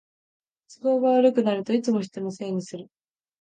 都合が悪くなるといつも人のせいにする